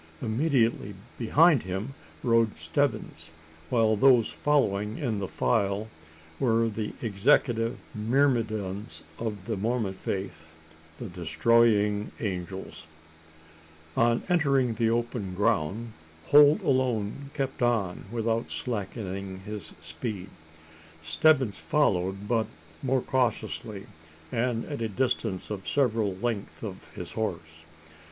Immediately behind him rode Stebbins; while those following in file were the executive myrmidons of the Mormon faith the Destroying Angels! On entering the open ground, Holt alone kept on without slackening his speed. Stebbins followed, but more cautiously and at a distance of several lengths of his horse.